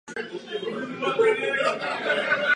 To se musíme snažit změnit.